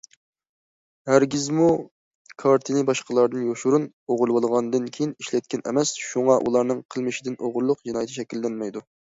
ھەرگىزمۇ كارتىنى باشقىلاردىن يوشۇرۇن ئوغرىلىۋالغاندىن كېيىن ئىشلەتكەن ئەمەس، شۇڭا ئۇلارنىڭ قىلمىشىدىن ئوغرىلىق جىنايىتى شەكىللەنمەيدۇ.